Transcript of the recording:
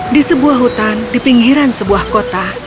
di sebuah hutan di pinggiran sebuah kota